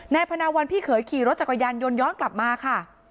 พนาวันพี่เขยขี่รถจักรยานยนต์ย้อนกลับมาค่ะ